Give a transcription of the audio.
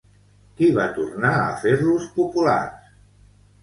Qui va tornar a fer-los populars?